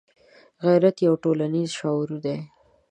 غیرت یو ټولنیز شعور دی